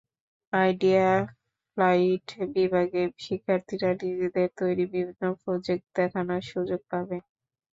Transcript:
Idea flight বিভাগে শিক্ষার্থীরা নিজেদের তৈরি বিভিন্ন প্রজেক্ট দেখানোর সুযোগ পাবে।